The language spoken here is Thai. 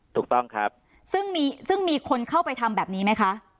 ถูกต้องครับซึ่งมีซึ่งมีคนเข้าไปทำแบบนี้ไหมคะ